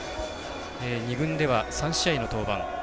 ２軍では３試合の登板。